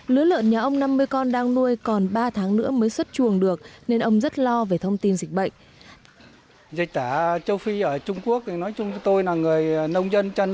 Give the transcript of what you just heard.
lứa lợn nhà ông năm mươi con đang nuôi còn ba tháng nữa mới xuất chuồng được nên ông rất lo về thông tin dịch bệnh